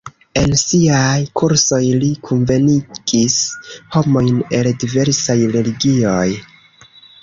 En siaj kursoj li kunvenigis homojn el diversaj religioj.